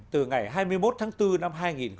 từ ngày hai mươi một tháng bốn năm hai nghìn một mươi sáu